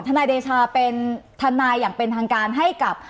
นายเดชาเป็นทนายอย่างเป็นทางการให้กับ